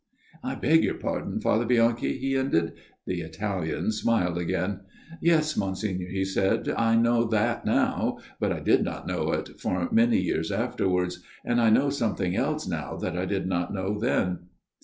" I beg your pardon, Father Bianchi," he ended. The Italian smiled again. " Yes, Monsignor," he said, " I know that now, but I did not know it for many years afterwards, and I know something else now that I did not know then.